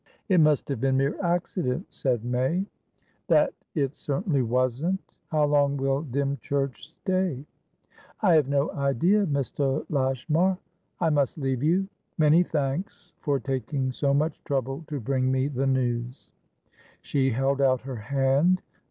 "It must have been mere accident," said May. "That it certainly wasn't. How long will Dymchurch stay?" "I have no idea, Mr. Lashmar.I must leave you. Many thanks for taking so much trouble to bring me the news." She held out her hand.